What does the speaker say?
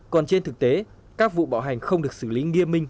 còn trên thực tế các vụ bạo hành không được xử lý nghiêm minh